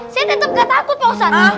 saya tetep gak takut bosan